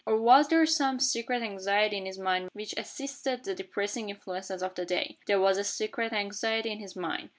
Or was there some secret anxiety in his mind which assisted the depressing influences of the day? There was a secret anxiety in his mind.